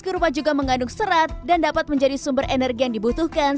kurpa juga mengandung serat dan dapat menjadi sumber energi yang dibutuhkan